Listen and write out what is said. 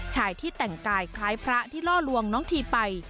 ชายที่แต่งกายคล้ายพระที่ล่อลวงน้องทีไป